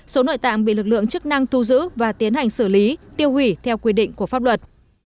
số nội tạng bị lực lượng chức năng thu giữ và tiến hành xử lý tiêu hủy theo quy định của pháp luật